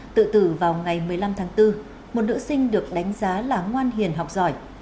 tự tử vào ngày một mươi năm tháng bốn một nữ sinh được đánh giá là ngoan hiền học giỏi